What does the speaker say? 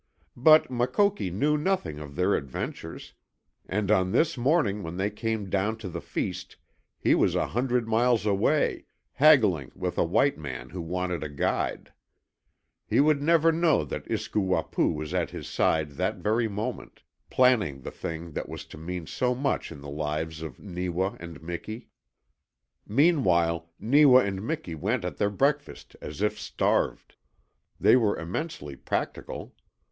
But Makoki knew nothing of their adventures, and on this morning when they came down to the feast he was a hundred miles away, haggling with a white man who wanted a guide. He would never know that Iskoo Wapoo was at his side that very moment, planning the thing that was to mean so much in the lives of Neewa and Miki. Meanwhile Neewa and Miki went at their breakfast as if starved. They were immensely practical.